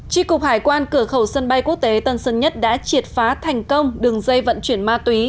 tri cục hải quan cửa khẩu sân bay quốc tế tân sơn nhất đã triệt phá thành công đường dây vận chuyển ma túy